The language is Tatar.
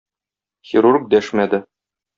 Хирург дәшмәде.